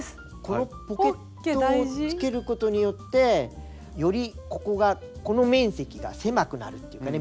このポケットをつけることによってよりここがこの面積が狭くなるっていうかね。